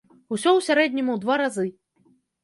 Усё ў сярэднім у два разы.